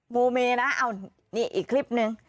โมเมนะอีกคลิปนึง